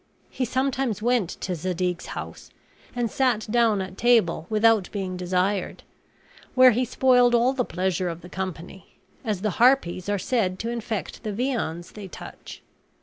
He sometimes went to Zadig's house, and sat down at table without being desired; where he spoiled all the pleasure of the company, as the harpies are said to infect the viands they touch.